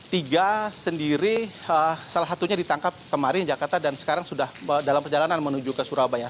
tiga sendiri salah satunya ditangkap kemarin jakarta dan sekarang sudah dalam perjalanan menuju ke surabaya